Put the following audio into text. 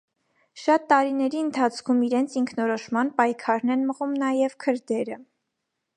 Շատ տարիների ընթացքում իրենց ինքնորոշման պայքարն են մղում նաև քրդերը։